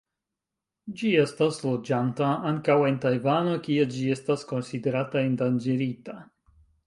Ĝi estas loĝanta ankaŭ en Tajvano, kie ĝi estas konsiderata endanĝerita.